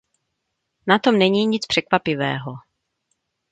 Na tom není nic překvapivého.